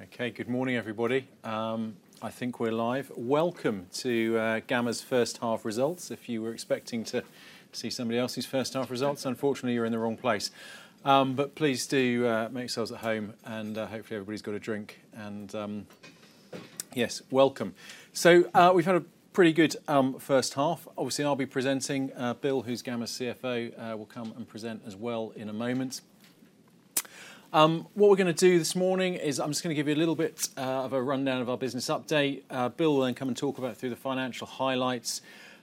Okay, good morning, everybody. I think we're live. Welcome to Gamma's first half results. If you were expecting to see somebody else's first half results, unfortunately, you're in the wrong place. But please do make yourselves at home, and hopefully everybody's got a drink, and yes, welcome. So we've had a pretty good first half. Obviously, I'll be presenting. Bill, who's Gamma's CFO, will come and present as well in a moment. What we're gonna do this morning is I'm just gonna give you a little bit of a rundown of our business update. Bill will then come and talk about through the financial highlights.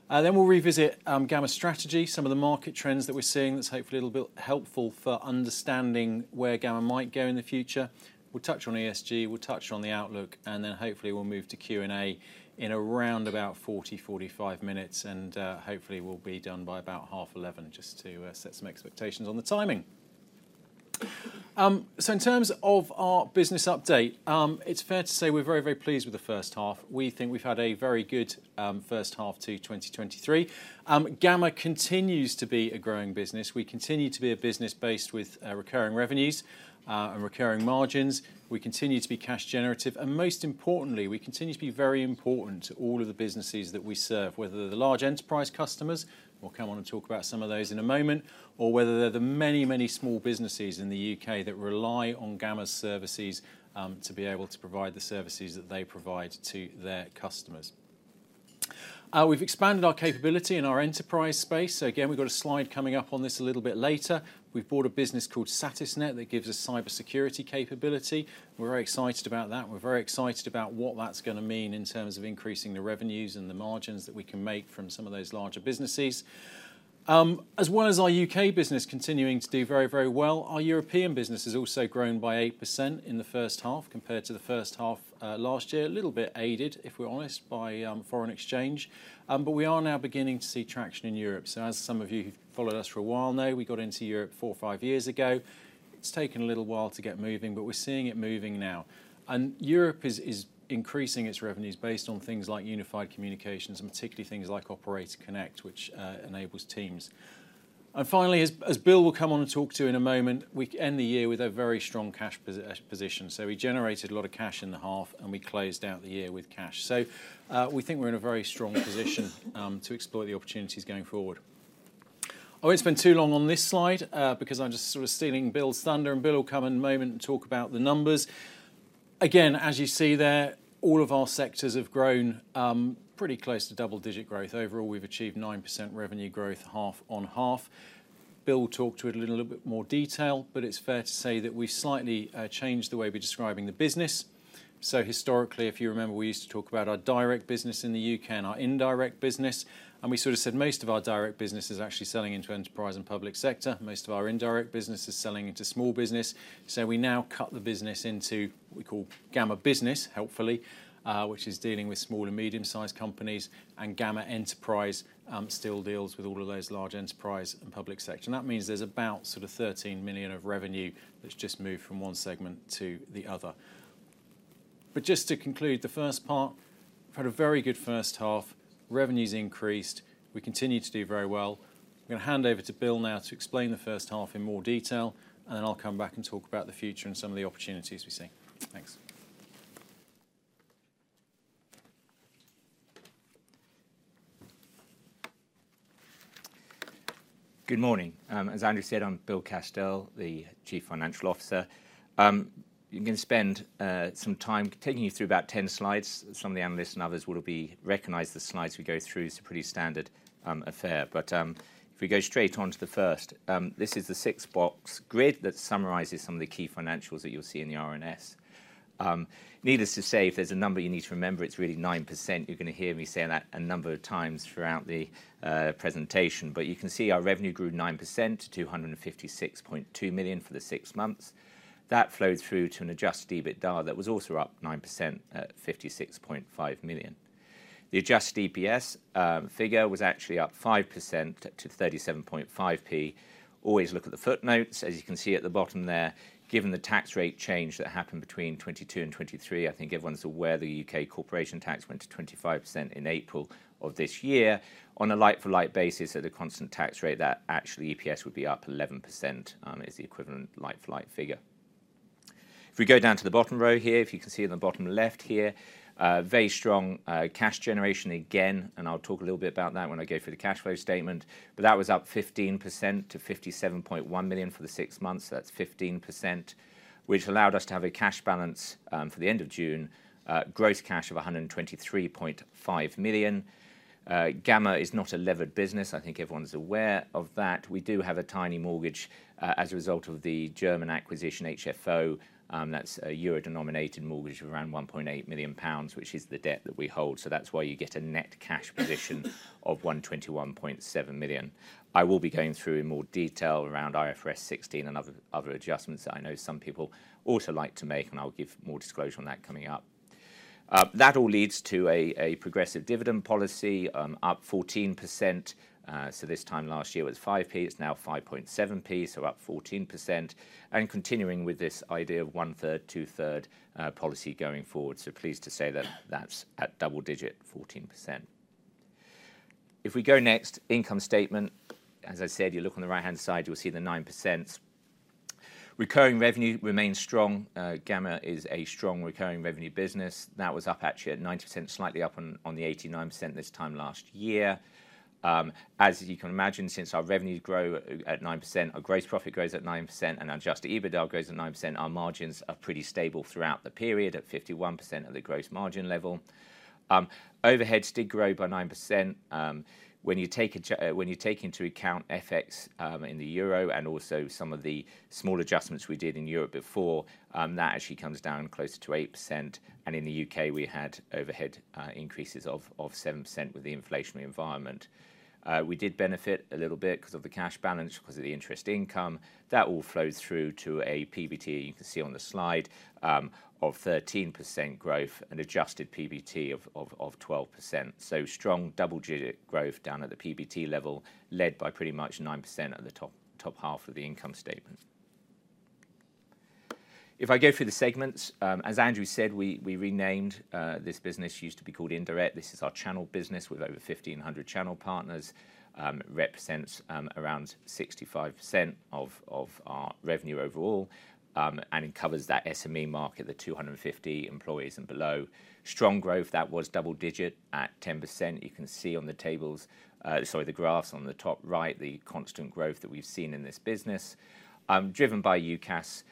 Then we'll revisit Gamma's strategy, some of the market trends that we're seeing, that's hopefully a little bit helpful for understanding where Gamma might go in the future. We'll touch on ESG, we'll touch on the outlook, and then hopefully we'll move to Q&A in around about 40, 45 minutes, and, hopefully we'll be done by about 11:30 A.M., just to, set some expectations on the timing. So in terms of our business update, it's fair to say we're very, very pleased with the first half. We think we've had a very good, first half to 2023. Gamma continues to be a growing business. We continue to be a business based with, recurring revenues, and recurring margins. We continue to be cash generative, and most importantly, we continue to be very important to all of the businesses that we serve, whether they're the large enterprise customers, we'll come on and talk about some of those in a moment, or whether they're the many, many small businesses in the U.K. that rely on Gamma's services, to be able to provide the services that they provide to their customers. We've expanded our capability in our enterprise space, so again, we've got a slide coming up on this a little bit later. We've bought a business called Satisnet that gives us cybersecurity capability. We're very excited about that. We're very excited about what that's gonna mean in terms of increasing the revenues and the margins that we can make from some of those larger businesses. As well as our U.K. business continuing to do very, very well, our European business has also grown by 8% in the first half compared to the first half last year. A little bit aided, if we're honest, by foreign exchange. But we are now beginning to see traction in Europe. So as some of you who've followed us for a while know, we got into Europe four, five years ago. It's taken a little while to get moving, but we're seeing it moving now. And Europe is increasing its revenues based on things like unified communications, and particularly things like Operator Connect, which enables Teams. And finally, as Bill will come on and talk to you in a moment, we end the year with a very strong cash position. So we generated a lot of cash in the half, and we closed out the year with cash. So, we think we're in a very strong position to explore the opportunities going forward. I won't spend too long on this slide, because I'm just sort of stealing Bill's thunder, and Bill will come in a moment and talk about the numbers. Again, as you see there, all of our sectors have grown pretty close to double-digit growth. Overall, we've achieved 9% revenue growth, half on half. Bill will talk to it in a little bit more detail, but it's fair to say that we've slightly changed the way we're describing the business. So historically, if you remember, we used to talk about our direct business in the U.K. and our indirect business, and we sort of said most of our direct business is actually selling into enterprise and public sector. Most of our indirect business is selling into small business. So we now cut the business into, we call Gamma Business, helpfully, which is dealing with small and medium-sized companies, and Gamma Enterprise still deals with all of those large enterprise and public sector. And that means there's about sort of 13 million of revenue that's just moved from one segment to the other. But just to conclude, the first part, we've had a very good first half. Revenue's increased. We continue to do very well. I'm gonna hand over to Bill now to explain the first half in more detail, and then I'll come back and talk about the future and some of the opportunities we see. Thanks. Good morning. As Andrew said, I'm Bill Castell, the Chief Financial Officer. I'm gonna spend some time taking you through about 10 slides. Some of the analysts and others will recognize the slides we go through. It's a pretty standard affair. But if we go straight on to the first, this is the six-box grid that summarizes some of the key financials that you'll see in the RNS. Needless to say, if there's a number you need to remember, it's really 9%. You're gonna hear me say that a number of times throughout the presentation. But you can see our revenue grew 9% to 256.2 million for the six months. That flows through to an adjusted EBITDA that was also up 9% at 56.5 million. The adjusted EPS figure was actually up 5% to 37.5p. Always look at the footnotes. As you can see at the bottom there, given the tax rate change that happened between 2022 and 2023, I think everyone's aware the U.K. corporation tax went to 25% in April of this year. On a like-for-like basis, at a constant tax rate, that actually EPS would be up 11%, is the equivalent like-for-like figure. If we go down to the bottom row here, if you can see in the bottom left here, very strong, cash generation again, and I'll talk a little bit about that when I go through the cash flow statement, but that was up 15% to £57.1 million for the six months. That's 15%, which allowed us to have a cash balance for the end of June, gross cash of 123.5 million. Gamma is not a levered business. I think everyone's aware of that. We do have a tiny mortgage as a result of the German acquisition, HFO. That's a Euro-denominated mortgage of around 1.8 million pounds, which is the debt that we hold. So that's why you get a net cash position of 121.7 million. I will be going through in more detail around IFRS 16 and other adjustments that I know some people also like to make, and I'll give more disclosure on that coming up. That all leads to a progressive dividend policy, up 14%. So this time last year, it was 5p, it's now 5.7p, so up 14%, and continuing with this idea of one-third, two-third, policy going forward. So pleased to say that that's at double digit, 14%. If we go next, income statement, as I said, you look on the right-hand side, you'll see the 9%. Recurring revenue remains strong. Gamma is a strong recurring revenue business. That was up actually at 9%, slightly up on the 89% this time last year. As you can imagine, since our revenues grow at 9%, our gross profit grows at 9%, and adjusted EBITDA grows at 9%, our margins are pretty stable throughout the period at 51% of the gross margin level. Overheads did grow by 9%. When you take into account FX in the Euro and also some of the small adjustments we did in Europe before, that actually comes down closer to 8%, and in the U.K., we had overhead increases of 7% with the inflationary environment. We did benefit a little bit 'cause of the cash balance, 'cause of the interest income. That all flows through to a PBT, you can see on the slide, of 13% growth and adjusted PBT of 12%. So strong double-digit growth down at the PBT level, led by pretty much 9% at the top half of the income statement. If I go through the segments, as Andrew said, we renamed this business. Used to be called Indirect. This is our channel business with over 1,500 channel partners. It represents around 65% of our revenue overall, and it covers that SME market, the 250 employees and below. Strong growth, that was double digit at 10%. You can see on the tables, sorry, the graphs on the top right, the constant growth that we've seen in this business. Driven by UCaaS,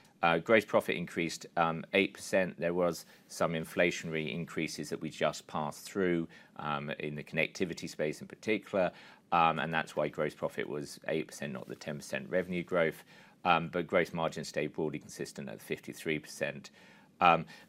gross profit increased 8%. There was some inflationary increases that we just passed through in the connectivity space in particular, and that's why gross profit was 8%, not the 10% revenue growth. But gross margin stayed broadly consistent at 53%.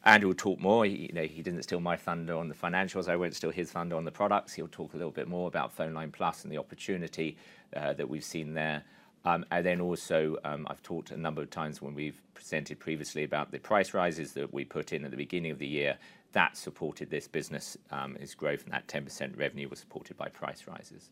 Andrew will talk more. He, you know, he didn't steal my thunder on the financials. I won't steal his thunder on the products. He'll talk a little bit more about PhoneLine+ and the opportunity that we've seen there. And then also, I've talked a number of times when we've presented previously about the price rises that we put in at the beginning of the year. That supported this business, its growth, and that 10% revenue was supported by price rises.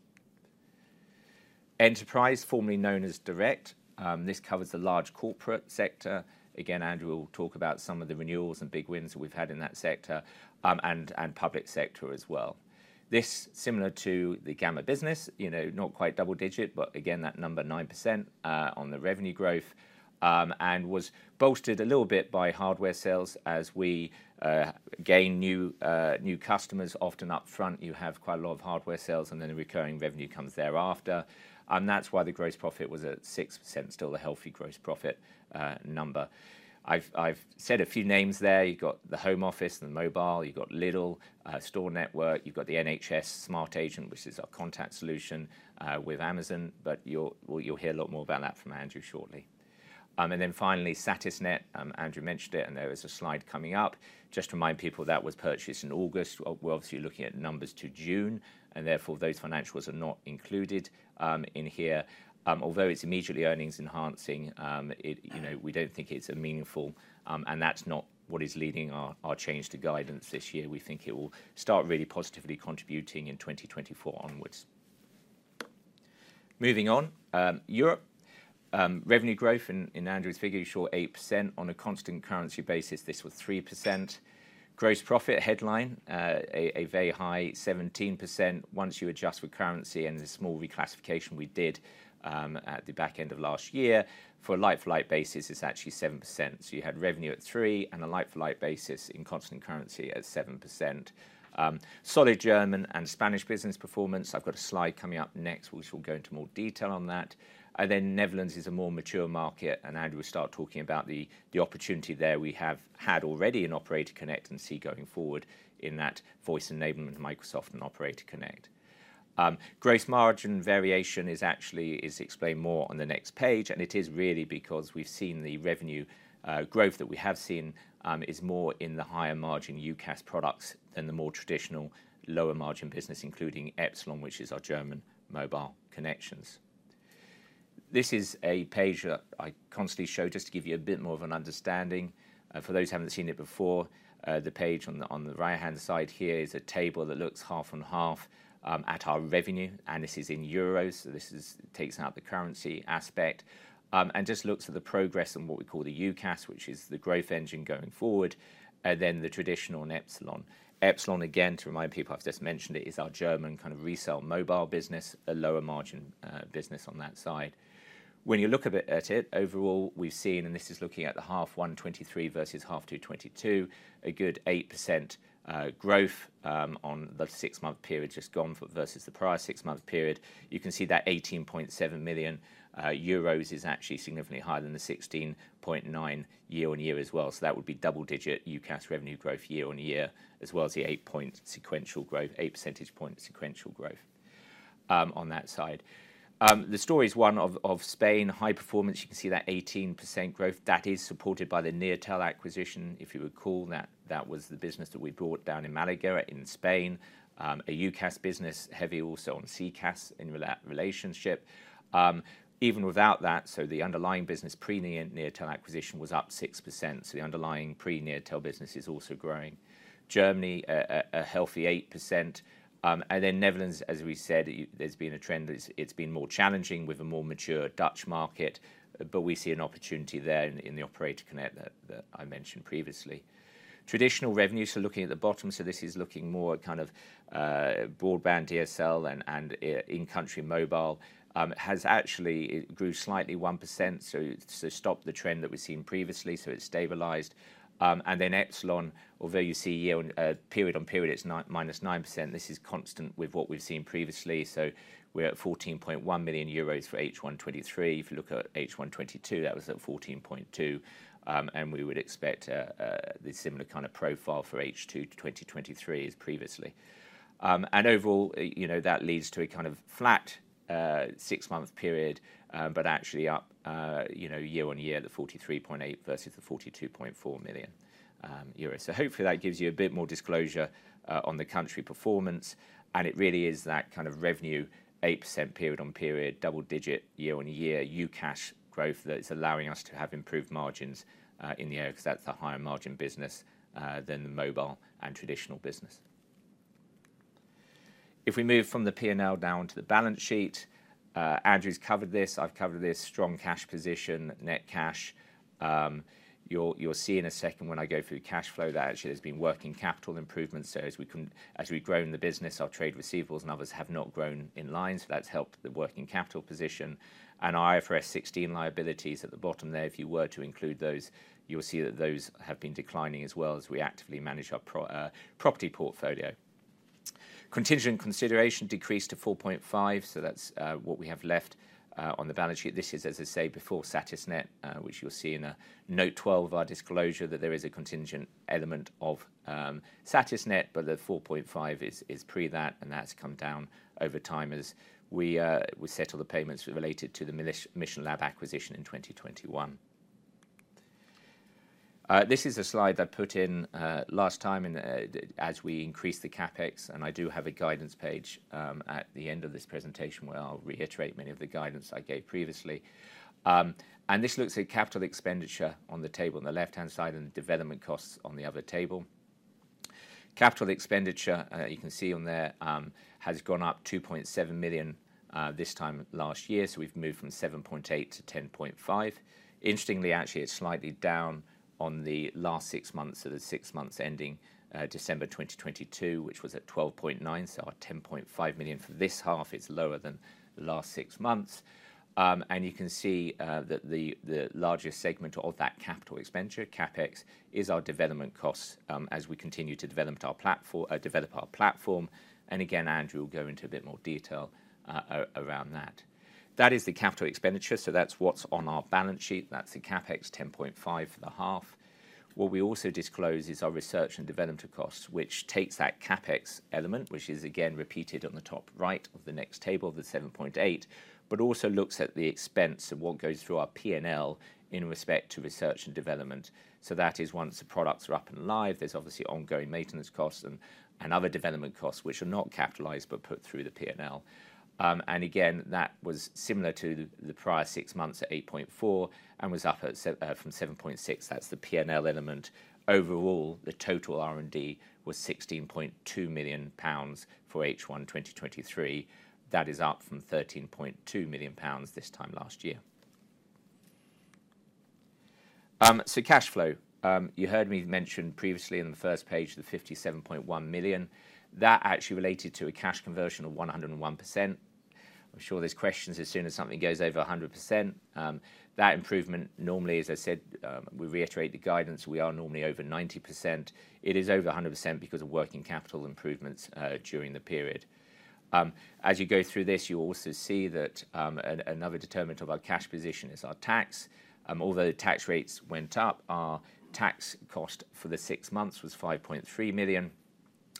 Enterprise, formerly known as Direct, this covers the large corporate sector. Again, Andrew will talk about some of the renewals and big wins that we've had in that sector, and public sector as well. This, similar to the Gamma business, you know, not quite double digit, but again, that number, 9%, on the revenue growth, and was bolstered a little bit by hardware sales as we gain new customers. Often upfront, you have quite a lot of hardware sales, and then the recurring revenue comes thereafter. And that's why the gross profit was at 6%, still a healthy gross profit number. I've said a few names there. You've got the Home Office and the mobile, you've got Lidl store network, you've got the NHS SmartAgent, which is our contact solution with Amazon, but you'll, well, you'll hear a lot more about that from Andrew shortly. And then finally, Satisnet. Andrew mentioned it, and there is a slide coming up. Just to remind people, that was purchased in August. We're obviously looking at numbers to June, and therefore, those financials are not included in here. Although it's immediately earnings enhancing, it, you know, we don't think it's a meaningful... That's not what is leading our change to guidance this year. We think it will start really positively contributing in 2024 onwards. Moving on, Europe. Revenue growth in Andrew's figure showed 8% on a constant currency basis. This was 3%. Gross profit headline, a very high 17%. Once you adjust with currency and the small reclassification we did at the back end of last year, for a like-for-like basis, it's actually 7%. So you had revenue at 3%, and a like-for-like basis in constant currency at 7%. Solid German and Spanish business performance. I've got a slide coming up next, which we'll go into more detail on that. Then Netherlands is a more mature market, and Andrew will start talking about the opportunity there. We have had already an Operator Connect and see going forward in that voice enablement with Microsoft and Operator Connect. Gross margin variation is actually, is explained more on the next page, and it is really because we've seen the revenue, growth that we have seen, is more in the higher margin UCaaS products than the more traditional lower margin business, including Epsilon, which is our German mobile connections. This is a page that I constantly show just to give you a bit more of an understanding. For those who haven't seen it before, the page on the right-hand side here is a table that looks half and half at our revenue, and this is in Euros, so this takes out the currency aspect, and just looks at the progress on what we call the UCaaS, which is the growth engine going forward, and then the traditional and Epsilon. Epsilon, again, to remind people, I've just mentioned it, is our German kind of resell mobile business, a lower margin business on that side. When you look a bit at it, overall, we've seen, and this is looking at the H1 2023 versus H2 2022, a good 8% growth on the six-month period just gone versus the prior six-month period. You can see that 18.7 million euros is actually significantly higher than the 16.9 year-on-year as well, so that would be double-digit UCaaS revenue growth year-on-year, as well as the 8-point sequential growth, 8 percentage point sequential growth, on that side. The story is one of Spain, high performance. You can see that 18% growth. That is supported by the Neotel acquisition. If you recall, that was the business that we bought down in Málaga in Spain, a UCaaS business, heavy also on CCaaS in relationship. Even without that, so the underlying business pre the Neotel acquisition was up 6%, so the underlying pre-Neotel business is also growing. Germany, a healthy 8%. And then Netherlands, as we said, there's been a trend that it's been more challenging with a more mature Dutch market, but we see an opportunity there in the Operator Connect that I mentioned previously. Traditional revenues, so looking at the bottom, so this is looking more at kind of broadband DSL and in-country mobile has actually it grew slightly 1%, so stopped the trend that we've seen previously, so it's stabilized. And then Epsilon, although you see year period-on-period, it's minus 9%, this is constant with what we've seen previously. We're at 14.1 million euros for H1 2023. If you look at H1 2022, that was at 14.2 million, and we would expect the similar kind of profile for H2 2023 as previously. And overall, you know, that leads to a kind of flat, six-month period, but actually up, you know, year on year, the 43.8 versus the 42.4 million euros. So hopefully that gives you a bit more disclosure, on the country performance, and it really is that kind of revenue, 8% period-on-period, double-digit year-on-year UCaaS growth that is allowing us to have improved margins, in the year, because that's a higher margin business, than the mobile and traditional business. If we move from the P&L down to the balance sheet, Andrew's covered this, I've covered this. Strong cash position, net cash. You'll see in a second when I go through cash flow, that actually has been working capital improvements. So as we've grown the business, our trade receivables and others have not grown in line, so that's helped the working capital position. And IFRS 16 liabilities at the bottom there, if you were to include those, you'll see that those have been declining as well as we actively manage our property portfolio. Contingent consideration decreased to 4.5, so that's what we have left on the balance sheet. This is, as I say, before Satisnet, which you'll see in note 12, our disclosure, that there is a contingent element of Satisnet, but the 4.5 is pre that, and that's come down over time as we settle the payments related to the Mission Labs acquisition in 2021. This is a slide I put in last time and, as we increased the CapEx, and I do have a guidance page at the end of this presentation, where I'll reiterate many of the guidance I gave previously. And this looks at capital expenditure on the table on the left-hand side and the development costs on the other table. Capital expenditure, you can see on there, has gone up 2.7 million this time last year, so we've moved from 7.8 million-10.5 million. Interestingly, actually, it's slightly down on the last six months, so the six months ending December 2022, which was at 12.9 million. So our 10.5 million for this half, it's lower than the last six months. You can see that the largest segment of that capital expenditure, CapEx, is our development costs, as we continue to develop our platform. Again, Andrew will go into a bit more detail around that. That is the capital expenditure, so that's what's on our balance sheet. That's the CapEx, 10.5 for the half. What we also disclose is our research and development costs, which takes that CapEx element, which is again repeated on the top right of the next table, the 7.8, but also looks at the expense of what goes through our P&L in respect to research and development. That is once the products are up and live, there's obviously ongoing maintenance costs and other development costs, which are not capitalized, but put through the P&L. And again, that was similar to the prior six months at 8.4, and was up from 7.6. That's the P&L element. Overall, the total R&D was 16.2 million pounds for H1 2023. That is up from 13.2 million pounds this time last year. So cash flow. You heard me mention previously in the first page, the 57.1 million GBP. That actually related to a cash conversion of 101%. I'm sure there's questions as soon as something goes over 100%. That improvement normally, as I said, we reiterate the guidance, we are normally over 90%. It is over 100% because of working capital improvements during the period. As you go through this, you will also see that, another determinant of our cash position is our tax. Although the tax rates went up, our tax cost for the six m onths was 5.3 million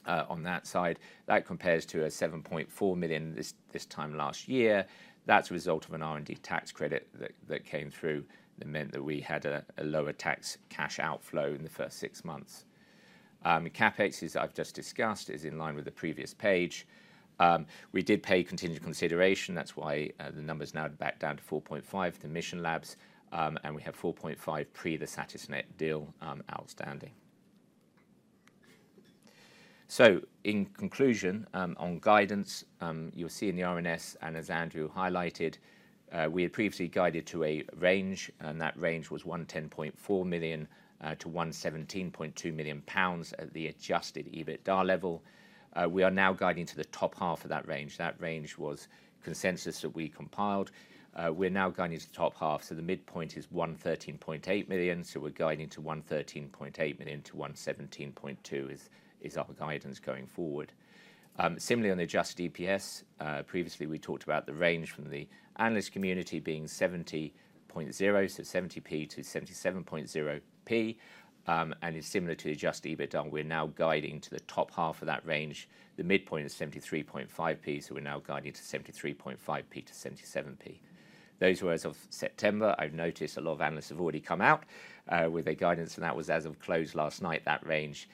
on that side. That compares to 7.4 million this time last year. That's a result of an R&D tax credit that came through. It meant that we had a lower tax cash outflow in the first six months. The CapEx, as I've just discussed, is in line with the previous page. We did pay continued consideration, that's why the number's now back down to 4.5 million, the Mission Labs, and we have 4.5 million pre the Satisnet deal outstanding. So in conclusion, on guidance, you'll see in the RNS, and as Andrew highlighted, we had previously guided to a range, and that range was 110.4 million-117.2 million pounds at the adjusted EBITDA level. We are now guiding to the top half of that range. That range was consensus that we compiled. We're now guiding to the top half, so the midpoint is 113.8 million, so we're guiding to 113.8 million-117.2 million; that is our guidance going forward. Similarly on the adjusted EPS, previously, we talked about the range from the analyst community being 70.0p, so 70p to 77.0p, and it's similar to adjusted EBITDA; we're now guiding to the top half of that range. The midpoint is 73.5p, so we're now guiding to 73.5p-77p. Those were as of September. I've noticed a lot of analysts have already come out with their guidance, and that was as of close last night, that range,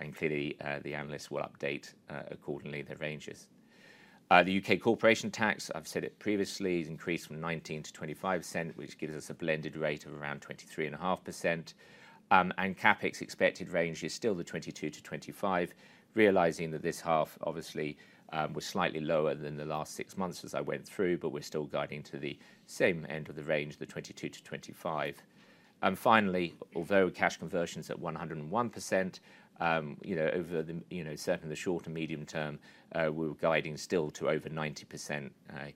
and clearly, the analysts will update accordingly their ranges. The U.K. corporation tax, I've said it previously, has increased from 19%-25%, which gives us a blended rate of around 23.5%. And CapEx expected range is still the 22-25, realizing that this half obviously was slightly lower than the last six months as I went through, but we're still guiding to the same end of the range, the 22-25. And finally, although cash conversion's at 101%, you know, over the short and medium term, we're guiding still to over 90%.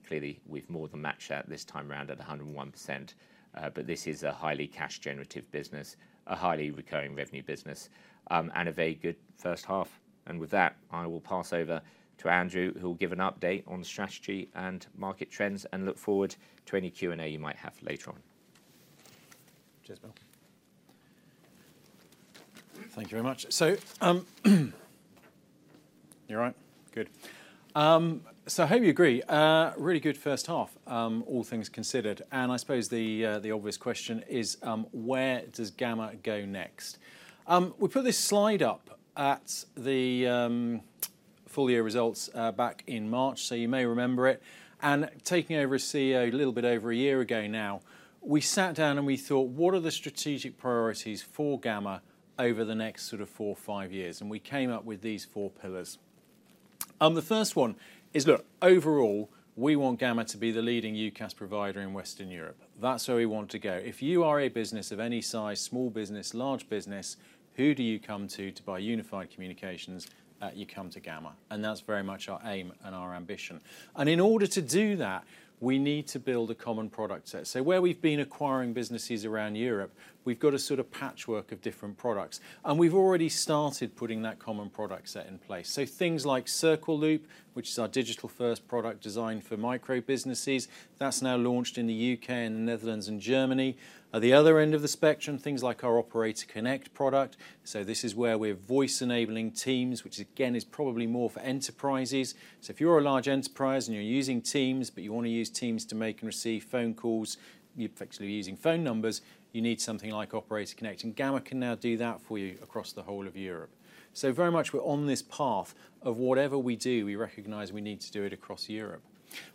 Clearly, we've more than matched that this time round at 101%, but this is a highly cash generative business, a highly recurring revenue business, and a very good first half. And with that, I will pass over to Andrew, who will give an update on strategy and market trends, and look forward to any Q&A you might have later on.... Cheers, Bill. Thank you very much. So, you all right? Good. So I hope you agree, really good first half, all things considered, and I suppose the obvious question is: where does Gamma go next? We put this slide up at the full year results, back in March, so you may remember it. And taking over as CEO a little bit over a year ago now, we sat down, and we thought, "What are the strategic priorities for Gamma over the next sort of four, five years?" And we came up with these four pillars. The first one is, look, overall, we want Gamma to be the leading UCaaS provider in Western Europe. That's where we want to go. If you are a business of any size, small business, large business, who do you come to, to buy unified communications? You come to Gamma, and that's very much our aim and our ambition. And in order to do that, we need to build a common product set. So where we've been acquiring businesses around Europe, we've got a sort of patchwork of different products, and we've already started putting that common product set in place. So things like CircleLoop, which is our digital-first product designed for micro-businesses, that's now launched in the U.K., and the Netherlands, and Germany. At the other end of the spectrum, things like our Operator Connect product, so this is where we're voice-enabling Teams, which again, is probably more for enterprises. So if you're a large enterprise, and you're using Teams, but you want to use Teams to make and receive phone calls, you're effectively using phone numbers, you need something like Operator Connect, and Gamma can now do that for you across the whole of Europe. So very much we're on this path of whatever we do, we recognize we need to do it across Europe.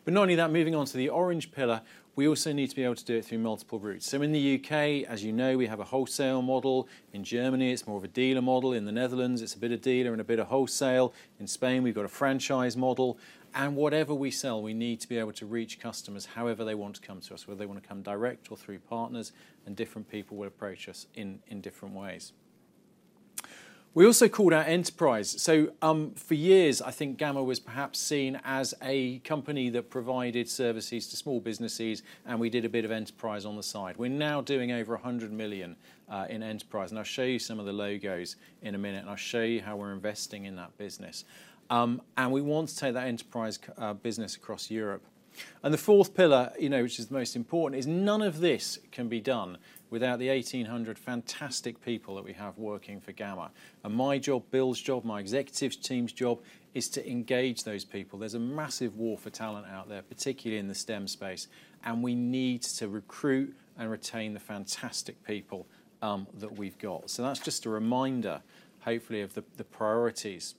But not only that, moving on to the orange pillar, we also need to be able to do it through multiple routes. So in the U.K., as you know, we have a wholesale model. In Germany, it's more of a dealer model. In the Netherlands, it's a bit of dealer and a bit of wholesale. In Spain, we've got a franchise model. Whatever we sell, we need to be able to reach customers however they want to come to us, whether they want to come direct or through partners, and different people will approach us in different ways. We also called out enterprise. For years, I think Gamma was perhaps seen as a company that provided services to small businesses, and we did a bit of enterprise on the side. We're now doing over 100 million in enterprise, and I'll show you some of the logos in a minute, and I'll show you how we're investing in that business. And we want to take that enterprise business across Europe. The fourth pillar, you know, which is the most important, is none of this can be done without the 1,800 fantastic people that we have working for Gamma. My job, Bill's job, my executive team's job is to engage those people. There's a massive war for talent out there, particularly in the STEM space, and we need to recruit and retain the fantastic people that we've got. So that's just a reminder, hopefully, of the priorities.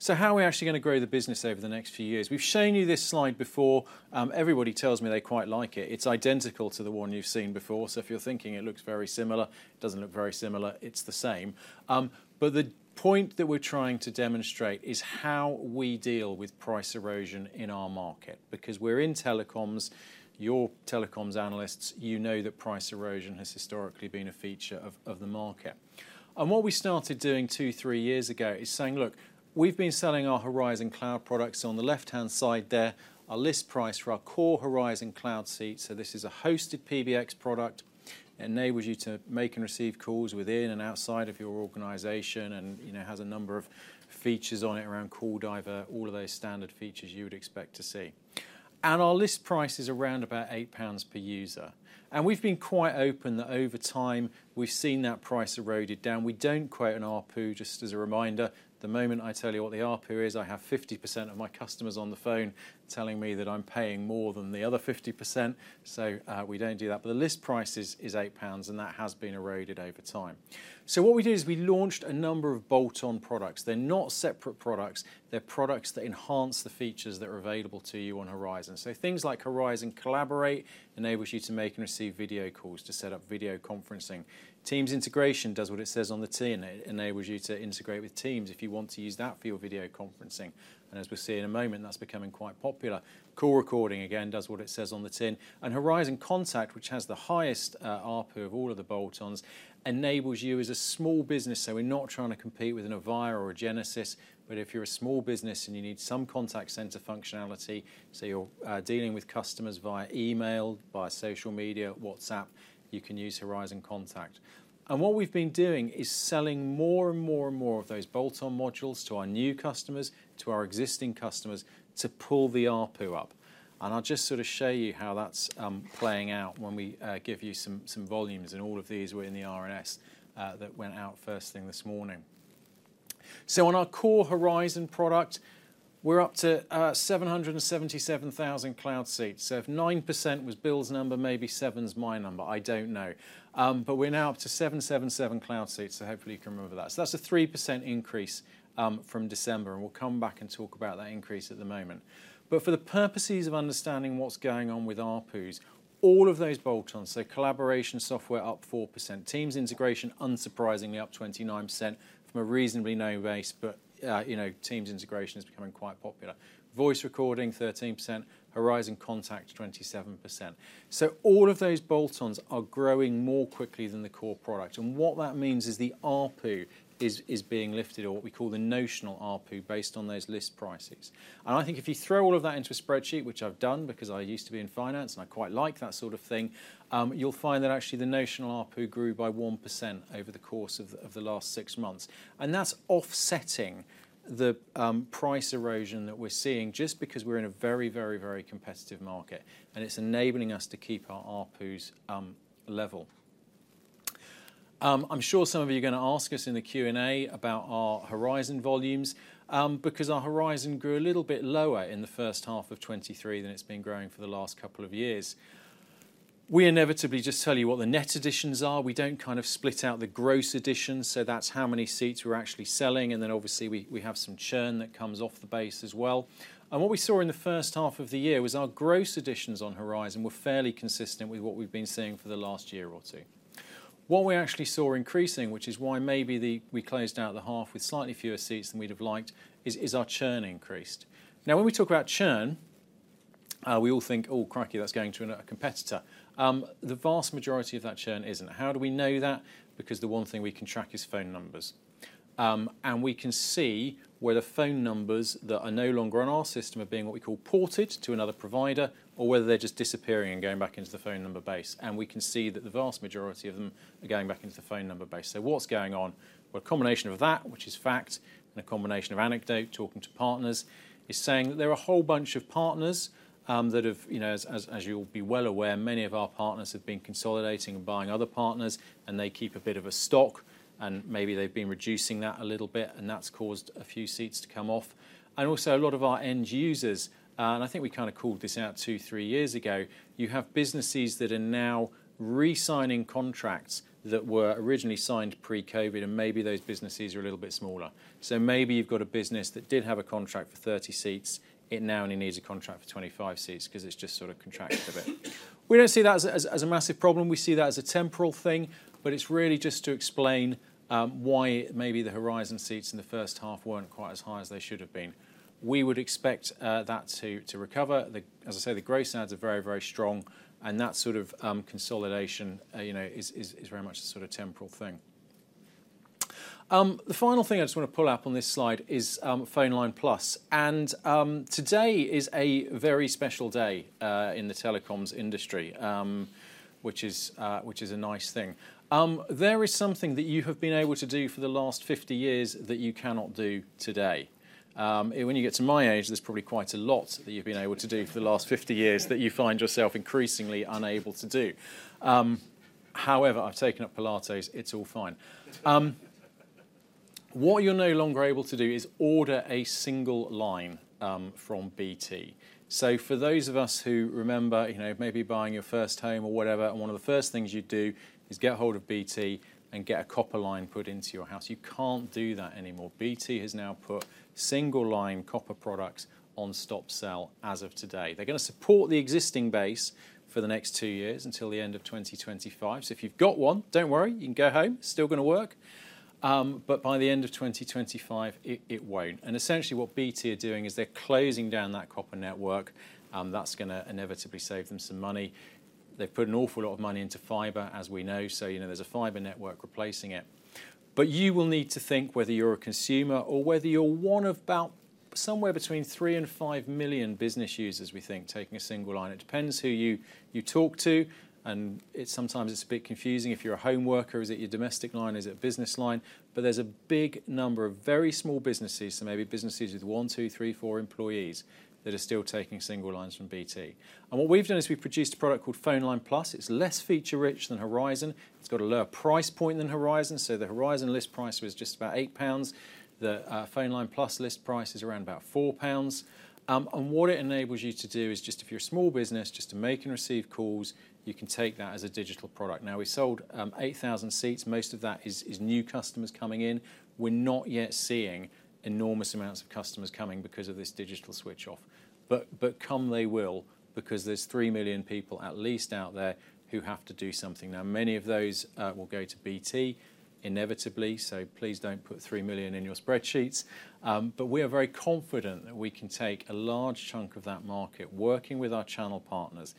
So how are we actually gonna grow the business over the next few years? We've shown you this slide before. Everybody tells me they quite like it. It's identical to the one you've seen before, so if you're thinking it looks very similar, it doesn't look very similar, it's the same. But the point that we're trying to demonstrate is how we deal with price erosion in our market. Because we're in telecoms, you're telecoms analysts, you know that price erosion has historically been a feature of the market. And what we started doing two, three years ago is saying: Look, we've been selling our Horizon Cloud products. On the left-hand side there, our list price for our core Horizon Cloud seat, so this is a hosted PBX product, enables you to make and receive calls within and outside of your organization and, you know, has a number of features on it around call divert, all of those standard features you would expect to see. And our list price is around about 8 pounds per user, and we've been quite open that over time we've seen that price eroded down. We don't quote an ARPU, just as a reminder. The moment I tell you what the ARPU is, I have 50% of my customers on the phone telling me that I'm paying more than the other 50%, so, we don't do that. But the list price is 8 pounds, and that has been eroded over time. So what we did is we launched a number of bolt-on products. They're not separate products, they're products that enhance the features that are available to you on Horizon. So things like Horizon Collaborate enables you to make and receive video calls, to set up video conferencing. Teams integration does what it says on the tin. It enables you to integrate with Teams if you want to use that for your video conferencing, and as we'll see in a moment, that's becoming quite popular. Call recording, again, does what it says on the tin. And Horizon Contact, which has the highest, ARPU of all of the bolt-ons, enables you as a small business... So we're not trying to compete with an Avaya or a Genesys, but if you're a small business and you need some contact center functionality, so you're dealing with customers via email, via social media, WhatsApp, you can use Horizon Contact. And what we've been doing is selling more and more and more of those bolt-on modules to our new customers, to our existing customers, to pull the ARPU up, and I'll just sort of show you how that's playing out when we give you some volumes, and all of these were in the RNS that went out first thing this morning. So on our core Horizon product, we're up to 777,000 cloud seats. So if 9% was Bill's number, maybe 7's my number, I don't know. But we're now up to 777 cloud seats, so hopefully you can remember that. So that's a 3% increase from December, and we'll come back and talk about that increase in a moment. But for the purposes of understanding what's going on with ARPUs, all of those bolt-ons, so collaboration software up 4%, Teams integration, unsurprisingly, up 29% from a reasonably low base, but you know, Teams integration is becoming quite popular. Voice recording, 13%; Horizon Contact, 27%. So all of those bolt-ons are growing more quickly than the core product, and what that means is the ARPU is being lifted, or what we call the notional ARPU, based on those list prices. I think if you throw all of that into a spreadsheet, which I've done, because I used to be in finance, and I quite like that sort of thing, you'll find that actually the notional ARPU grew by 1% over the course of the last six months. That's offsetting the price erosion that we're seeing just because we're in a very, very, very competitive market, and it's enabling us to keep our ARPUs level. I'm sure some of you are gonna ask us in the Q&A about our Horizon volumes, because our Horizon grew a little bit lower in the first half of 2023 than it's been growing for the last couple of years. We inevitably just tell you what the net additions are. We don't kind of split out the gross additions, so that's how many seats we're actually selling, and then obviously, we have some churn that comes off the base as well. What we saw in the first half of the year was our gross additions on Horizon were fairly consistent with what we've been seeing for the last year or two. What we actually saw increasing, which is why maybe we closed out the half with slightly fewer seats than we'd have liked, is our churn increased. Now, when we talk about churn, we all think, "Oh, crikey, that's going to another competitor." The vast majority of that churn isn't. How do we know that? Because the one thing we can track is phone numbers. And we can see where the phone numbers that are no longer on our system are being, what we call, ported to another provider, or whether they're just disappearing and going back into the phone number base, and we can see that the vast majority of them are going back into the phone number base. So what's going on? Well, a combination of that, which is fact, and a combination of anecdote, talking to partners, is saying that there are a whole bunch of partners, that have, you know, as you'll be well aware, many of our partners have been consolidating and buying other partners, and they keep a bit of a stock, and maybe they've been reducing that a little bit, and that's caused a few seats to come off. And also a lot of our end users, and I think we kinda called this out two to three years ago, you have businesses that are now re-signing contracts that were originally signed pre-COVID, and maybe those businesses are a little bit smaller. So maybe you've got a business that did have a contract for 30 seats, it now only needs a contract for 25 seats 'cause it's just sort of contracted a bit. We don't see that as, as, as a massive problem. We see that as a temporal thing, but it's really just to explain why maybe the Horizon seats in the first half weren't quite as high as they should have been. We would expect that to recover. As I say, the growth adds are very, very strong, and that sort of, consolidation, you know, is, is, is very much a sort of temporal thing. The final thing I just want to pull up on this slide is, PhoneLine+, and today is a very special day in the telecoms industry, which is a nice thing. There is something that you have been able to do for the last 50 years that you cannot do today. And when you get to my age, there's probably quite a lot that you've been able to do for the last 50 years that you find yourself increasingly unable to do. However, I've taken up Pilates, it's all fine. What you're no longer able to do is order a single line from BT. So for those of us who remember, you know, maybe buying your first home or whatever, and one of the first things you'd do is get hold of BT and get a copper line put into your house. You can't do that anymore. BT has now put single line copper products on stop sell as of today. They're gonna support the existing base for the next two years until the end of 2025. So if you've got one, don't worry, you can go home. It's still gonna work. But by the end of 2025, it won't. And essentially, what BT are doing is they're closing down that copper network, and that's gonna inevitably save them some money. They've put an awful lot of money into fiber, as we know, so, you know, there's a fiber network replacing it. But you will need to think whether you're a consumer or whether you're one of about somewhere between three to five million business users, we think, taking a single line. It depends who you talk to, and it's sometimes a bit confusing. If you're a home worker, is it your domestic line? Is it a business line? But there's a big number of very small businesses, so maybe businesses with one, two, three, four employees, that are still taking single lines from BT. And what we've done is we've produced a product called PhoneLine+. It's less feature-rich than Horizon. It's got a lower price point than Horizon. So the Horizon list price was just about 8 pounds. The PhoneLine+ list price is around about 4 pounds. And what it enables you to do is just if you're a small business, just to make and receive calls, you can take that as a digital product. Now, we sold 8,000 seats. Most of that is new customers coming in. We're not yet seeing enormous amounts of customers coming because of this digital switch off. But come they will, because there's three million people at least out there, who have to do something. Now, many of those will go to BT, inevitably, so please don't put three million in your spreadsheets. But we are very confident that we can take a large chunk of that market, working with our channel partners,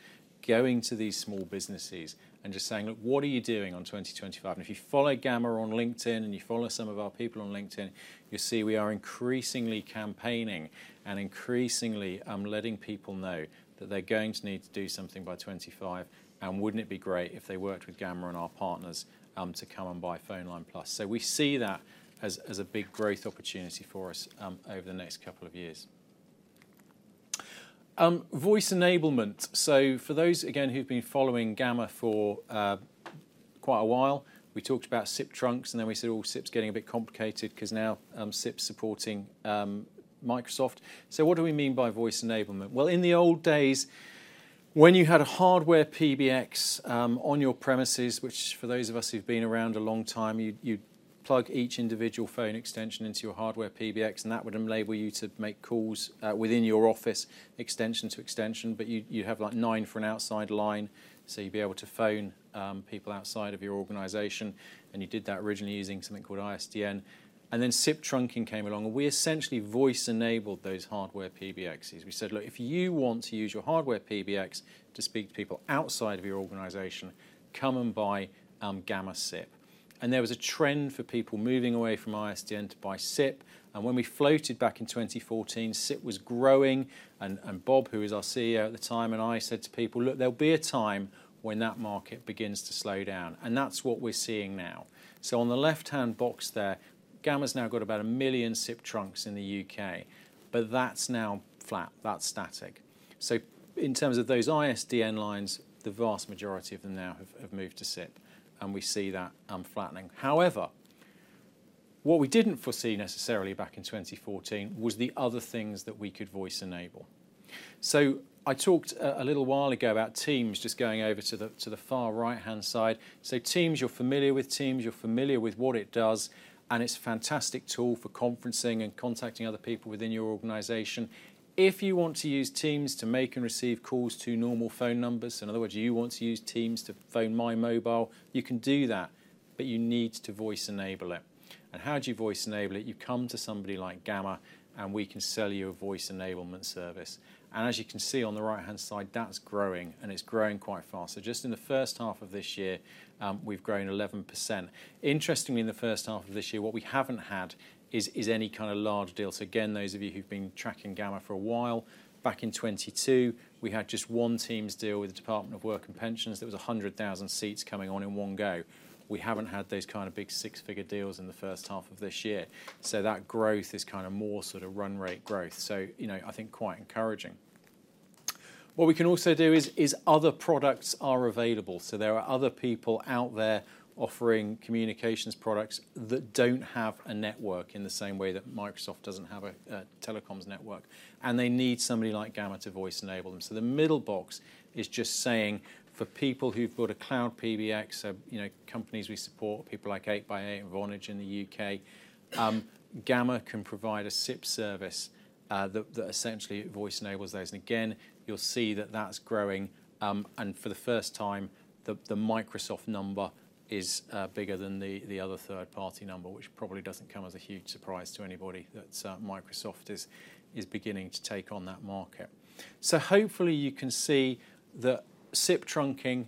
going to these small businesses and just saying: "Look, what are you doing on 2025?" And if you follow Gamma on LinkedIn, and you follow some of our people on LinkedIn, you'll see we are increasingly campaigning and increasingly, letting people know that they're going to need to do something by 2025, and wouldn't it be great if they worked with Gamma and our partners, to come and buy PhoneLine+? So we see that as, as a big growth opportunity for us, over the next couple of years. Voice enablement. So for those, again, who've been following Gamma for quite a while, we talked about SIP trunks, and then we said, "Oh, SIP's getting a bit complicated," because now, SIP's supporting Microsoft. So what do we mean by voice enablement? Well, in the old days, when you had a hardware PBX on your premises, which for those of us who've been around a long time, you'd plug each individual phone extension into your hardware PBX, and that would enable you to make calls within your office, extension to extension, but you'd have, like, nine for an outside line, so you'd be able to phone people outside of your organization. And you did that originally using something called ISDN, and then SIP trunking came along, and we essentially voice-enabled those hardware PBXs. We said, "Look, if you want to use your hardware PBX to speak to people outside of your organization, come and buy Gamma SIP." And there was a trend for people moving away from ISDN to buy SIP, and when we floated back in 2014, SIP was growing, and, and Bob, who was our CEO at the time, and I said to people, "Look, there'll be a time when that market begins to slow down." And that's what we're seeing now. So on the left-hand box there, Gamma's now got about 1 million SIP trunks in the U.K., but that's now flat. That's static. So in terms of those ISDN lines, the vast majority of them now have, have moved to SIP, and we see that flattening. However, what we didn't foresee necessarily back in 2014 was the other things that we could voice enable. So I talked a little while ago about Teams, just going over to the far right-hand side. So Teams, you're familiar with Teams, you're familiar with what it does, and it's a fantastic tool for conferencing and contacting other people within your organization. If you want to use Teams to make and receive calls to normal phone numbers, in other words, you want to use Teams to phone my mobile, you can do that, but you need to voice enable it. And how do you voice enable it? You come to somebody like Gamma, and we can sell you a voice enablement service. And as you can see on the right-hand side, that's growing, and it's growing quite fast. So just in the first half of this year, we've grown 11%. Interestingly, in the first half of this year, what we haven't had is any kind of large deal. So again, those of you who've been tracking Gamma for a while, back in 2022, we had just one Teams deal with the Department for Work and Pensions. There was 100,000 seats coming on in one go. We haven't had those kind of big six-figure deals in the first half of this year. So that growth is kinda more sort of run rate growth, so, you know, I think, quite encouraging. What we can also do is other products are available. So there are other people out there offering communications products that don't have a network, in the same way that Microsoft doesn't have a telecoms network, and they need somebody like Gamma to voice enable them. So the middle box is just saying, for people who've got a Cloud PBX, so, you know, companies we support, people like 8x8 and Vonage in the U.K., Gamma can provide a SIP service, that essentially voice enables those. And again, you'll see that that's growing, and for the first time, the Microsoft number is bigger than the other third-party number, which probably doesn't come as a huge surprise to anybody, that Microsoft is beginning to take on that market. So hopefully you can see that SIP trunking,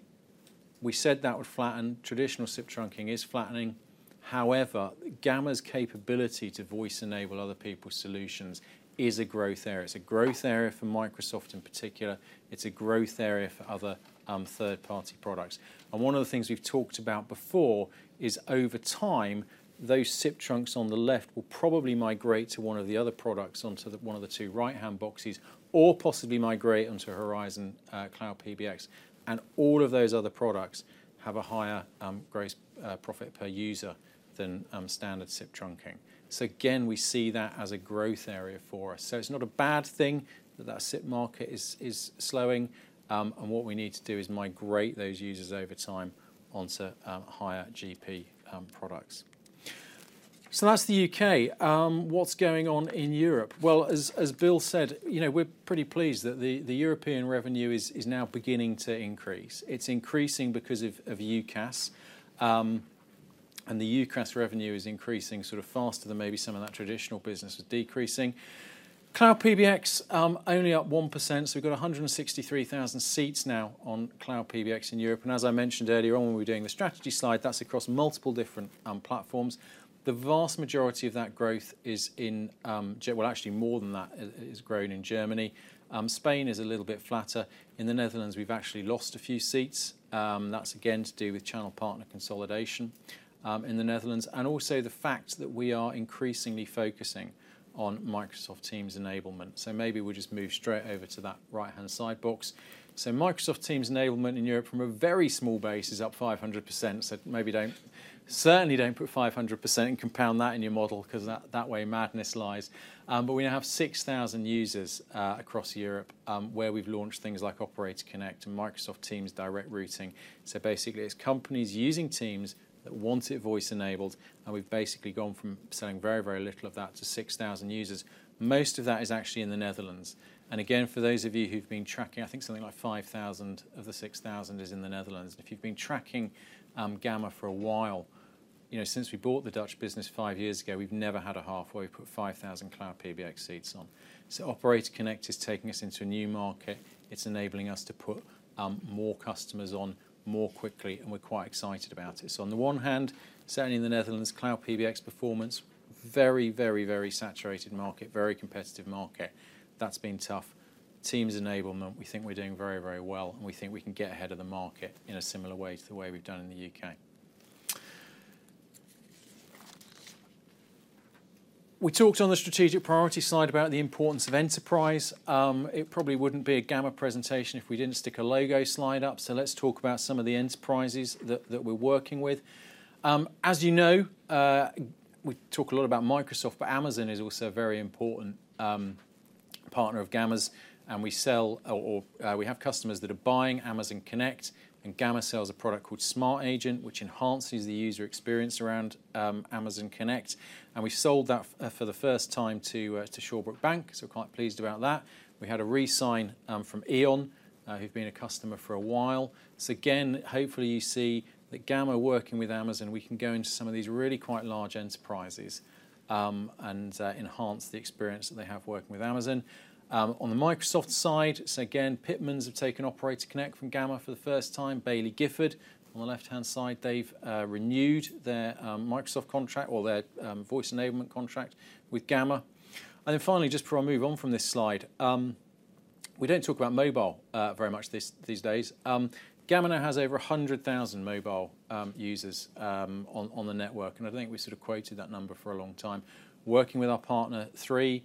we said that would flatten. Traditional SIP trunking is flattening. However, Gamma's capability to voice enable other people's solutions is a growth area. It's a growth area for Microsoft, in particular. It's a growth area for other third-party products. One of the things we've talked about before is, over time, those SIP Trunks on the left will probably migrate to one of the other products, onto the one of the two right-hand boxes, or possibly migrate onto Horizon Cloud PBX, and all of those other products have a higher gross profit per user than standard SIP trunking. So again, we see that as a growth area for us. So it's not a bad thing that that SIP market is slowing, and what we need to do is migrate those users over time onto higher GP products. So that's the U.K. What's going on in Europe? Well, as Bill said, you know, we're pretty pleased that the European revenue is now beginning to increase. It's increasing because of UCaaS, and the UCaaS revenue is increasing sort of faster than maybe some of that traditional business is decreasing. Cloud PBX only up 1%, so we've got 163,000 seats now on Cloud PBX in Europe, and as I mentioned earlier on when we were doing the strategy slide, that's across multiple different platforms. The vast majority of that growth is in, well, actually, more than that is grown in Germany. Spain is a little bit flatter. In the Netherlands, we've actually lost a few seats. That's again to do with channel partner consolidation in the Netherlands, and also the fact that we are increasingly focusing on Microsoft Teams enablement. So maybe we'll just move straight over to that right-hand side box. So Microsoft Teams enablement in Europe, from a very small base, is up 500%. So maybe don't, certainly don't put 500% and compound that in your model, 'cause that, that way, madness lies. But we now have 6,000 users across Europe, where we've launched things like Operator Connect and Microsoft Teams Direct Routing. So basically, it's companies using Teams that want it voice-enabled, and we've basically gone from selling very, very little of that to 6,000 users. Most of that is actually in the Netherlands. And again, for those of you who've been tracking, I think something like 5,000 of the 6,000 is in the Netherlands. If you've been tracking Gamma for a while, you know, since we bought the Dutch business 5 years ago, we've never had a half where we've put 5,000 Cloud PBX seats on. So Operator Connect is taking us into a new market. It's enabling us to put more customers on more quickly, and we're quite excited about it. So on the one hand, certainly in the Netherlands, Cloud PBX performance, very, very, very saturated market, very competitive market. That's been tough. Teams enablement, we think we're doing very, very well, and we think we can get ahead of the market in a similar way to the way we've done in the U.K. We talked on the strategic priority slide about the importance of enterprise. It probably wouldn't be a Gamma presentation if we didn't stick a logo slide up, so let's talk about some of the enterprises that we're working with. As you know, we talk a lot about Microsoft, but Amazon is also a very important partner of Gamma's, and we sell, we have customers that are buying Amazon Connect, and Gamma sells a product called SmartAgent, which enhances the user experience around Amazon Connect, and we sold that for the first time to Shawbrook Bank, so quite pleased about that. We had a re-sign from E.ON, who've been a customer for a while. So again, hopefully you see that Gamma working with Amazon, we can go into some of these really quite large enterprises, and enhance the experience that they have working with Amazon. On the Microsoft side, so again, Pitmans have taken Operator Connect from Gamma for the first time. Baillie Gifford, on the left-hand side, they've renewed their Microsoft contract or their voice enablement contract with Gamma. And then finally, just before I move on from this slide, we don't talk about mobile very much these days. Gamma now has over 100,000 mobile users on the network, and I think we sort of quoted that number for a long time. Working with our partner Three,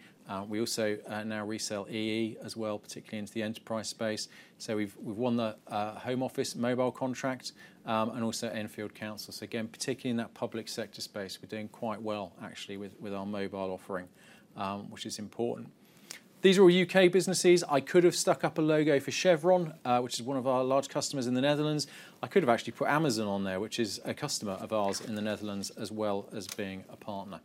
we also now resell EE as well, particularly into the enterprise space. So we've won the Home Office mobile contract, and also Enfield Council. So again, particularly in that public sector space, we're doing quite well actually, with our mobile offering, which is important. These are all U.K. businesses. I could have stuck up a logo for Chevron, which is one of our large customers in the Netherlands. I could have actually put Amazon on there, which is a customer of ours in the Netherlands, as well as being a partner.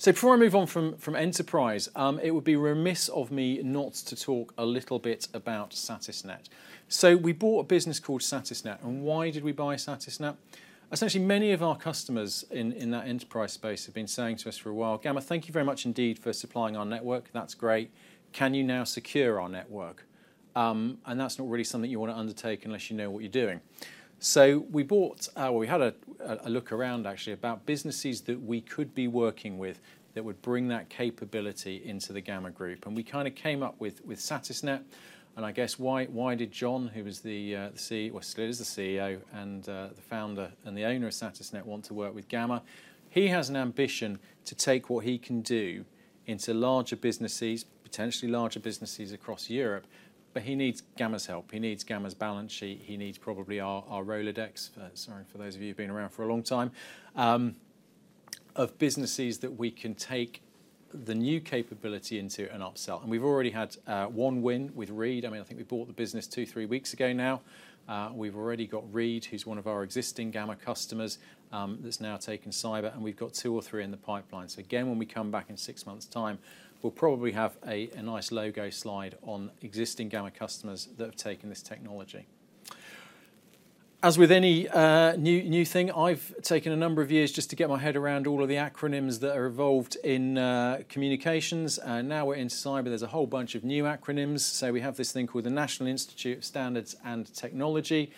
So before I move on from enterprise, it would be remiss of me not to talk a little bit about Satisnet. So we bought a business called Satisnet, and why did we buy Satisnet? Essentially, many of our customers in that enterprise space have been saying to us for a while, "Gamma, thank you very much indeed for supplying our network. That's great. Can you now secure our network?" And that's not really something you wanna undertake unless you know what you're doing. So we bought—we had a look around actually about businesses that we could be working with that would bring that capability into the Gamma Group, and we kinda came up with Satisnet. And I guess why did John, who was the—well, still is the CEO and the founder and the owner of Satisnet, want to work with Gamma? He has an ambition to take what he can do into larger businesses, potentially larger businesses across Europe, but he needs Gamma's help. He needs Gamma's balance sheet. He needs probably our Rolodex. Sorry, for those of you who've been around for a long time, of businesses that we can take the new capability into and upsell, and we've already had one win with Reed. I mean, I think we bought the business two to three weeks ago now. We've already got Reed, who's one of our existing Gamma customers, that's now taking cyber, and we've got two or three in the pipeline. So again, when we come back in six months' time, we'll probably have a nice logo slide on existing Gamma customers that have taken this technology. As with any new thing, I've taken a number of years just to get my head around all of the acronyms that are involved in communications, and now we're into cyber, there's a whole bunch of new acronyms. So we have this thing called the National Institute of Standards and Technology.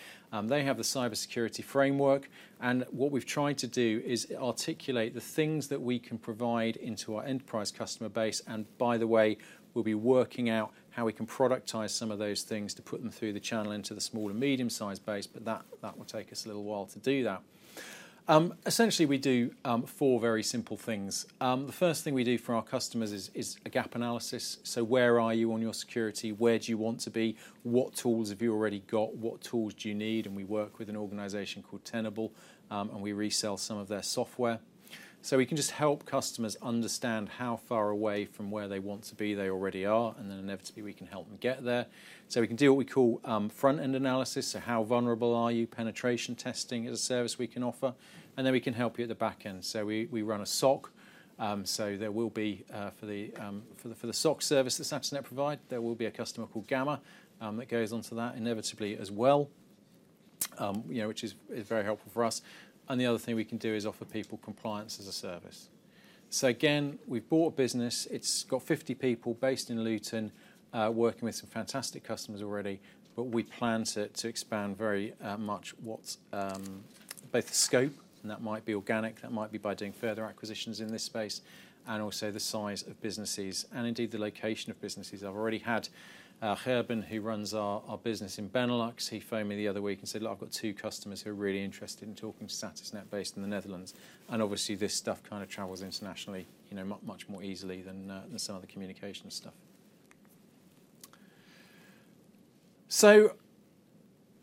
They have the Cybersecurity Framework, and what we've tried to do is articulate the things that we can provide into our enterprise customer base. And by the way, we'll be working out how we can productize some of those things to put them through the channel into the small and medium-sized base, but that will take us a little while to do that. Essentially we do four very simple things. The first thing we do for our customers is a gap analysis. So where are you on your security? Where do you want to be? What tools have you already got? What tools do you need? And we work with an organization called Tenable, and we resell some of their software. So we can just help customers understand how far away from where they want to be, they already are, and then inevitably, we can help them get there. So we can do what we call front-end analysis. So how vulnerable are you? Penetration testing is a service we can offer, and then we can help you at the back end. So we run a SOC, so there will be for the SOC service that Satisnet provide, there will be a customer called Gamma that goes onto that inevitably as well. You know, which is very helpful for us, and the other thing we can do is offer people compliance as a service. So again, we've bought a business. It's got 50 people based in Luton working with some fantastic customers already, but we plan to expand very much what's both the scope, and that might be organic, that might be by doing further acquisitions in this space, and also the size of businesses and indeed, the location of businesses. I've already had Gerben, who runs our business in Benelux, he phoned me the other week and said, "Look, I've got two customers who are really interested in talking to Satisnet based in the Netherlands." And obviously, this stuff kind of travels internationally, you know, much more easily than some of the communication stuff. So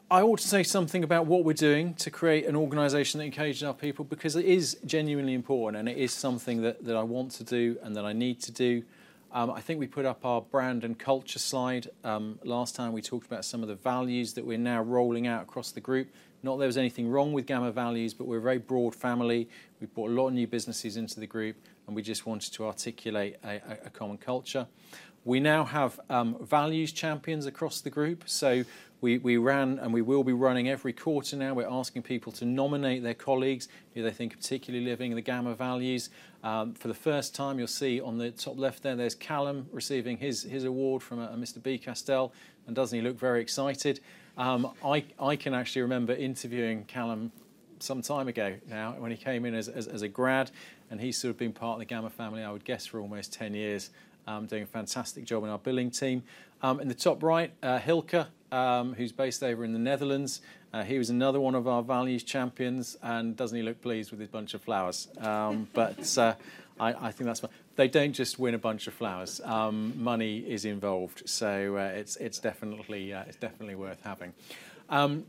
I ought to say something about what we're doing to create an organization that engages our people, because it is genuinely important, and it is something that I want to do and that I need to do. I think we put up our brand and culture slide. Last time we talked about some of the values that we're now rolling out across the group. Not there was anything wrong with Gamma values, but we're a very broad family. We've brought a lot of new businesses into the group, and we just wanted to articulate a common culture. We now have values champions across the group. So we ran, and we will be running every quarter now. We're asking people to nominate their colleagues, who they think are particularly living the Gamma values. For the first time, you'll see on the top left there, there's Callum receiving his award from Mr. Bill Castell, and doesn't he look very excited? I can actually remember interviewing Callum some time ago now, when he came in as a grad, and he's sort of been part of the Gamma family, I would guess, for almost 10 years, doing a fantastic job in our billing team. In the top right, Hylke, who's based over in the Netherlands, he was another one of our values champions, and doesn't he look pleased with his bunch of flowers? But they don't just win a bunch of flowers. Money is involved, so, it's definitely worth having.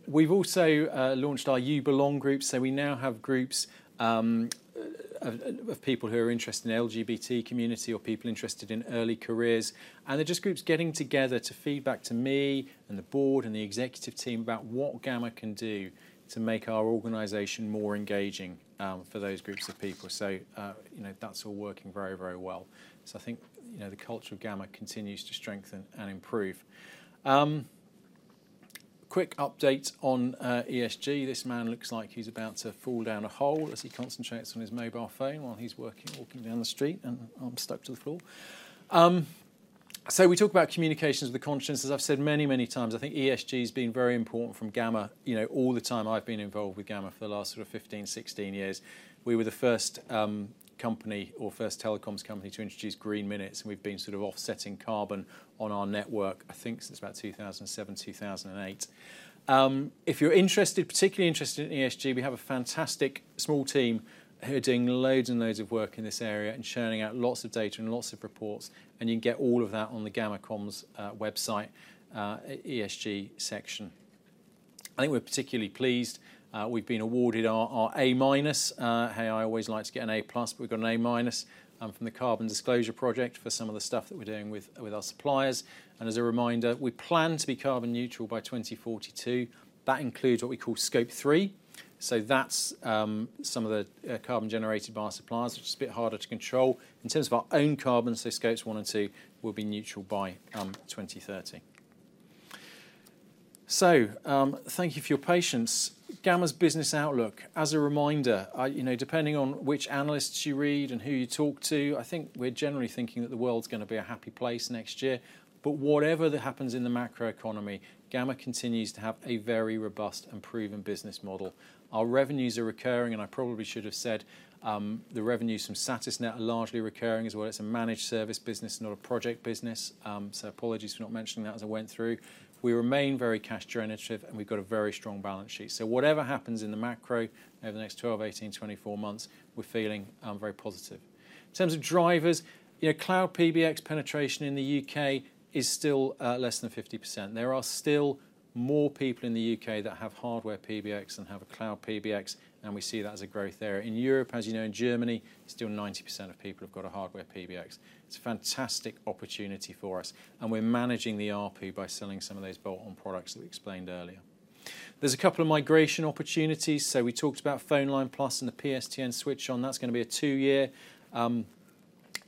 We've also launched our YouBelong groups, so we now have groups of people who are interested in LGBT community or people interested in early careers. And they're just groups getting together to feedback to me, and the board, and the executive team about what Gamma can do to make our organization more engaging for those groups of people. So, you know, that's all working very, very well. So I think, you know, the culture of Gamma continues to strengthen and improve. Quick update on ESG. This man looks like he's about to fall down a hole, as he concentrates on his mobile phone while he's working, walking down the street, and stuck to the floor. So we talk about communications with the conscience. As I've said many, many times, I think ESG has been very important from Gamma, you know, all the time I've been involved with Gamma for the last sort of 15, 16 years. We were the first company or first telecoms company to introduce Green Minutes, and we've been sort of offsetting carbon on our network, I think since about 2007, 2008. If you're interested, particularly interested in ESG, we have a fantastic small team who are doing loads and loads of work in this area and churning out lots of data and lots of reports, and you can get all of that on the Gamma Comms website at ESG section. I think we're particularly pleased, we've been awarded our A minus. Hey, I always like to get an A plus, but we've got an A minus from the Carbon Disclosure Project for some of the stuff that we're doing with our suppliers. And as a reminder, we plan to be carbon neutral by 2042. That includes what we call Scope 3. So that's some of the carbon generated by our suppliers, which is a bit harder to control. In terms of our own carbon, so Scope 1 and 2 will be neutral by 2030. So, thank you for your patience. Gamma's business outlook, as a reminder, you know, depending on which analysts you read and who you talk to, I think we're generally thinking that the world's gonna be a happy place next year. But whatever that happens in the macroeconomy, Gamma continues to have a very robust and proven business model. Our revenues are recurring, and I probably should have said, the revenues from Satisnet are largely recurring as well. It's a managed service business, not a project business. So apologies for not mentioning that as I went through. We remain very cash generative, and we've got a very strong balance sheet. So whatever happens in the macro over the next 12, 18, 24 months, we're feeling very positive. In terms of drivers, you know, Cloud PBX penetration in the U.K. is still less than 50%. There are still more people in the U.K. that have hardware PBX than have a Cloud PBX, and we see that as a growth area. In Europe, as you know, in Germany, still 90% of people have got a hardware PBX. It's a fantastic opportunity for us, and we're managing the ARPU by selling some of those bolt-on products that we explained earlier. There's a couple of migration opportunities. So we talked about PhoneLine+ and the PSTN switch-off. That's gonna be a two year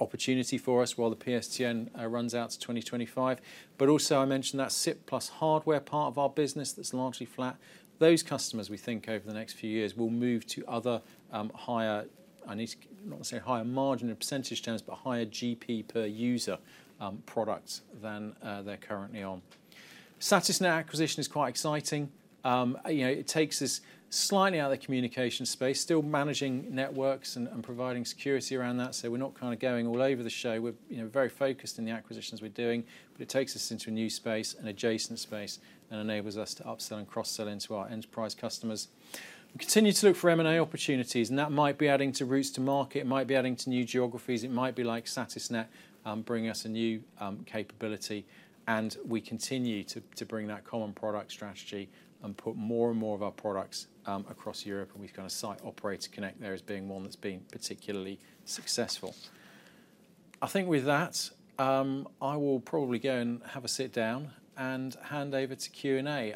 opportunity for us while the PSTN runs out to 2025. But also, I mentioned that SIP trunks hardware part of our business that's largely flat. Those customers, we think, over the next few years, will move to other higher... I need to- not say higher margin in percentage terms, but higher GP per user, products than they're currently on. Satisnet acquisition is quite exciting. You know, it takes us slightly out of the communication space, still managing networks and, and providing security around that. So we're not kinda going all over the show. We're, you know, very focused in the acquisitions we're doing, but it takes us into a new space, an adjacent space, and enables us to upsell and cross-sell into our enterprise customers. We continue to look for M&A opportunities, and that might be adding to routes to market, it might be adding to new geographies, it might be like Satisnet, bringing us a new, capability, and we continue to, to bring that common product strategy and put more and more of our products, across Europe, and we've got a Satisnet, Operator Connect there as being one that's been particularly successful. I think with that, I will probably go and have a sit down and hand over to Q&A.